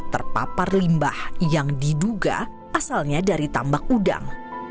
terpapar limbah yang diduga asalnya dari tambak udang